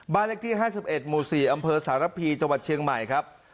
เลขที่๕๑หมู่๔อำเภอสารพีจังหวัดเชียงใหม่ครับ